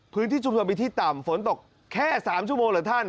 พื้นที่ชุมชนมีที่ต่ำฝนตกแค่๓ชั่วโมงเหรอท่าน